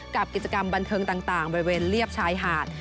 กับกิจกรรมบันเทิงต่างบริเวณเลียบชายหาด